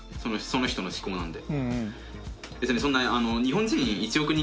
その人の嗜好なんで。